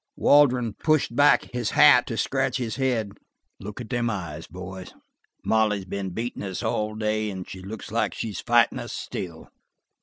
Waldron pushed back his hat to scratch his head. "Look at them eyes, boys," he suggested. "Molly has been beatin' us all day and she looks like she's fightin' us still."